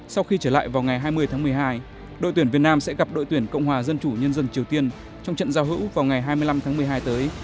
sau khi trở lại vào ngày hai mươi tháng một mươi hai đội tuyển việt nam sẽ gặp đội tuyển cộng hòa dân chủ nhân dân triều tiên trong trận giao hữu vào ngày hai mươi năm tháng một mươi hai tới